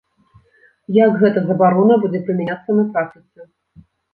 Як гэта забарона будзе прымяняцца на практыцы?